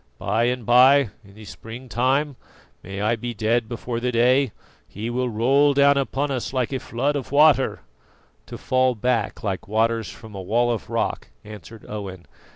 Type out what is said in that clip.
By and by, in the spring time may I be dead before the day he will roll down upon us like a flood of water " "To fall back like waters from a wall of rock," answered Owen.